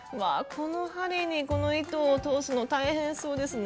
この針にこの糸を通すの大変そうですね。